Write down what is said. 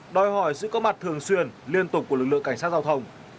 đòi hỏi sự có mặt thường xuyên liên tục của lực lượng cảnh sát giao thông